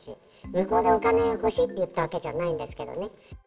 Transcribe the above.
向こうでお金が欲しいって言ったわけじゃないんですけどね。